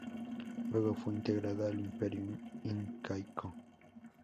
Luego fue integrada al imperio incaico.